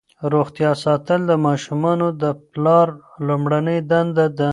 روغتیا ساتل د ماشومانو د پلار لومړنۍ دنده ده.